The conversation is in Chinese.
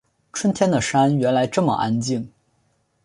春天的山原来这么安静